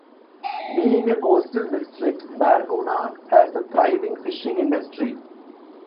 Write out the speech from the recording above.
Being a coastal district, Barguna has a thriving fishing industry.